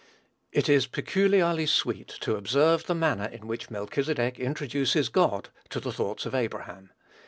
It is peculiarly sweet to observe the manner in which Melchizedek introduces God to the thoughts of Abraham.